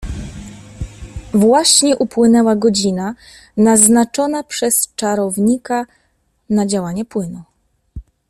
"Właśnie upłynęła godzina, naznaczona przez czarownika na działanie płynu."